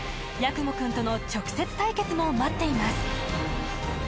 雲くんとの直接対決も待っています